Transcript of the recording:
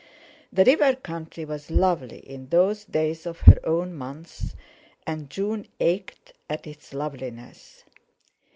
The river country was lovely in those days of her own month, and June ached at its loveliness.